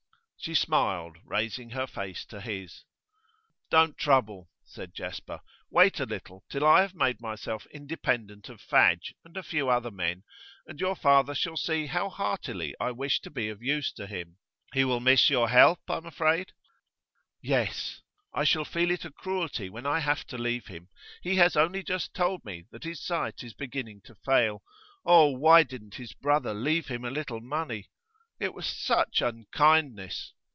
She smiled, raising her face to his. 'Don't trouble,' said Jasper. 'Wait a little, till I have made myself independent of Fadge and a few other men, and your father shall see how heartily I wish to be of use to him. He will miss your help, I'm afraid?' 'Yes. I shall feel it a cruelty when I have to leave him. He has only just told me that his sight is beginning to fail. Oh, why didn't his brother leave him a little money? It was such unkindness!